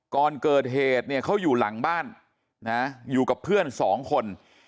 ก่อนเกิดเหตุเนี่ยเขาอยู่หลังบ้านนะอยู่กับเพื่อนสองคน